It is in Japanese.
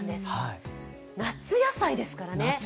夏野菜ですからね。